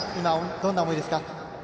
どんな思いですか？